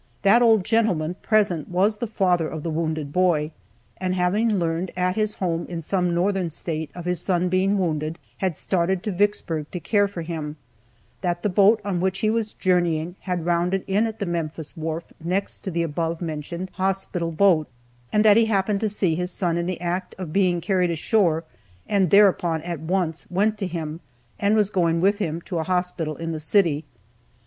That the old gentleman present was the father of the wounded boy, and having learned at his home in some northern State of his son being wounded, had started to Vicksburg to care for him; that the boat on which he was journeying had rounded in at the Memphis wharf next to the above mentioned hospital boat, and that he happened to see his son in the act of being carried ashore, and thereupon at once went to him, and was going with him to a hospital in the city.